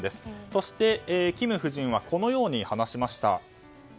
そしてキム夫人はこのように話しました。